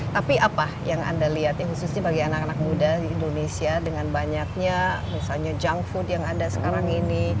tapi apa yang anda lihat khususnya bagi anak anak muda di indonesia dengan banyaknya misalnya junk food yang ada sekarang ini